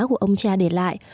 của ông cha để lại